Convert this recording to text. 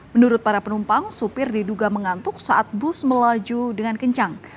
menurut para penumpang supir diduga mengantuk saat bus melaju dengan kencang